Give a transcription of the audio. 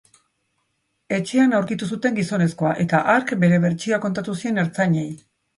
Etxean aurkitu zuten gizonezkoa, eta hark bere bertsioa kontatu zien ertzainei.